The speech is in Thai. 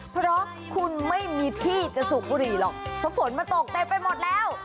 เพราะคุณไม่มีที่จะสูบบุหรี่หรอกเพราะฝนมันตกเต็มไปหมดแล้ว